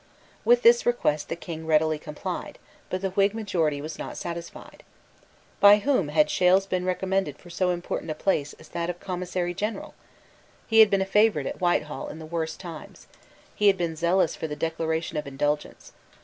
With this request the King readily complied; but the Whig majority was not satisfied. By whom had Shales been recommended for so important a place as that of Commissary General? He had been a favourite at Whitehall in the worst times. He had been zealous for the Declaration of Indulgence.